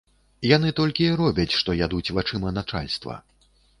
Яны толькі і робяць, што ядуць вачыма начальства.